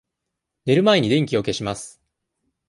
寝る前に電気を消します。